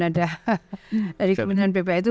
ada dari pemerintahan bpa itu